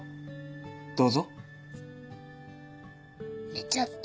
寝ちゃった。